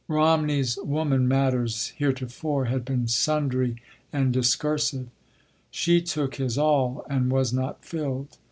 Romney’s woman matters heretofore had been sundry and discursive. She took his all and was not filled.